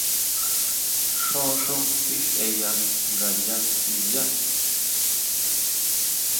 Xjó xú tisʼeya ngayá ndiyá.